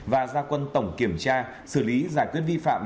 và gia quân tổng kiểm tra xử lý giải quyết vi phạm